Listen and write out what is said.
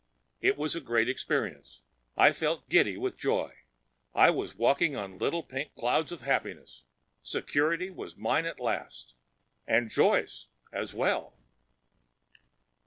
It was a great experience. I felt giddy with joy; I was walking on little pink clouds of happiness. Security was mine at last. And Joyce, as well.